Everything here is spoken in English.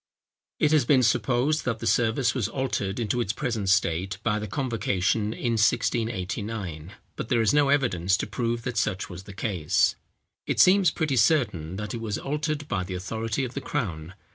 It has been supposed, that the service was altered into its present state by the convocation in 1689; but there is no evidence to prove that such was the case. It seems pretty certain that it was altered by the authority of the crown.